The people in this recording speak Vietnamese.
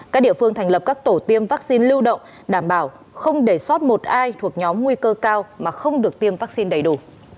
các địa phương thành lập các tổ tiêm vaccine lưu động đảm bảo không để sót một ai thuộc nhóm nguy cơ cao mà không được tiêm vaccine đầy đủ